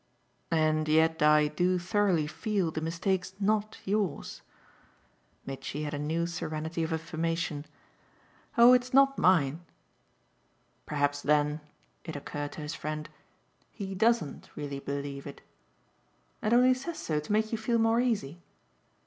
"And yet I do thoroughly feel the mistake's not yours." Mitchy had a new serenity of affirmation. "Oh it's not mine." "Perhaps then" it occurred to his friend "he doesn't really believe it." "And only says so to make you feel more easy?"